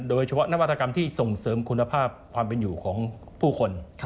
โดยเฉพาะนวัตกรรมที่ส่งเสริมคุณภาพความเป็นอยู่ของผู้คน